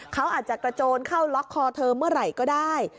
เขาอาจจะกระโจนเข้าล็อกคอเธอเมื่อไหร่ก็ได้